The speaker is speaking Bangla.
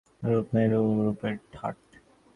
রূপ নেই, রূপের ঠাট!